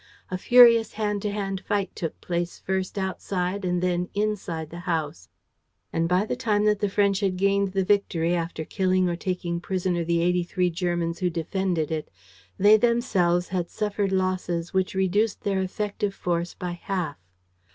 A furious hand to hand fight took place first outside and then inside the house; and, by the time that the French had gained the victory after killing or taking prisoner the eighty three Germans who defended it, they themselves had suffered losses which reduced their effective force by half.